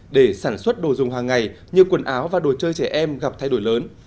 để sản xuất đồ dùng hàng ngày như quần áo và đồ chơi trẻ em gặp thay đổi lớn